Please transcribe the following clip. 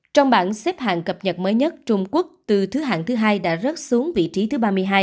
trong bảng xếp hạng cập nhật mới nhất trung quốc từ thứ hạng thứ hai đã rớt xuống vị trí thứ ba mươi hai